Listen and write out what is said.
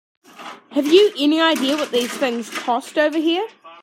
Have you any idea what these things cost over here?